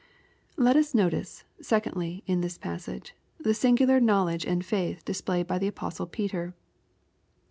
Let us notice, secondly, in this passage, the singular knowledge and faith displayed by the Apostle Peter.